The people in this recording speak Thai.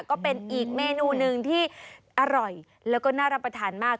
ก็เป็นอีกเมนูหนึ่งที่อร่อยแล้วก็น่ารับประทานมาก